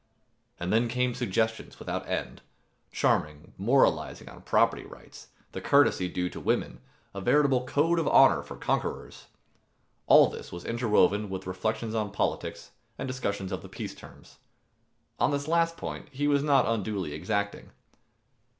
And then came suggestions without end, charming, moralizing on property rights, the courtesy due to women, a veritable code of honor for conquerors. All this was interwoven with reflections on politics and discussions of the peace terms. On this last point he was not unduly exacting.